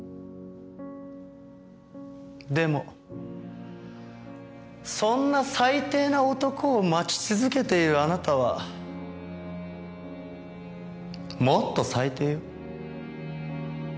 でもそんな最低な男を待ち続けているあなたはもっと最低よ。